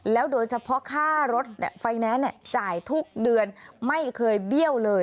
โดยเฉพาะค่ารถไฟแนนซ์จ่ายทุกเดือนไม่เคยเบี้ยวเลย